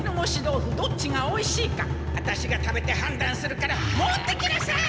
どっちがおいしいかアタシが食べてはんだんするから持ってきなさい！